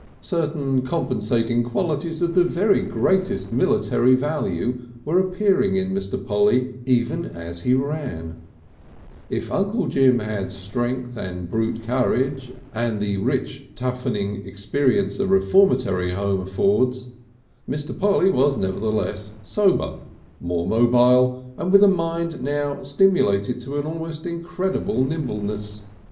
Certain compensating qualities of the very greatest military value were appearing in Mr. Polly even as he ran; if Uncle Jim had strength and brute courage and the rich toughening experience a Reformatory Home affords, Mr. Polly was nevertheless sober, more mobile and with a mind now stimulated to an almost incredible nimbleness.